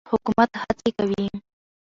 حکومت هڅې کوي.